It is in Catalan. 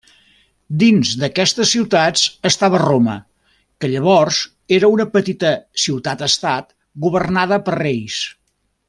Dins d'aquestes ciutats estava Roma, que llavors era una petita ciutat estat governada per reis.